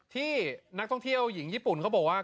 ที่นักท่องเที่ยวหญิงญี่ปุ่นเขาบอกว่า